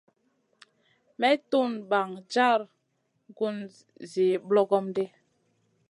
May tun ɓaŋ jar gun zi ɓlogom ɗi.